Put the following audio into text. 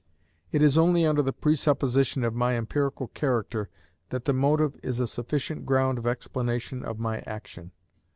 It is only under the presupposition of my empirical character that the motive is a sufficient ground of explanation of my action.